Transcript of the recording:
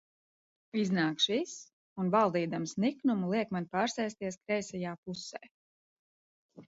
Iznāk šis un, valdīdams niknumu, liek man pārsēsties kreisajā pusē.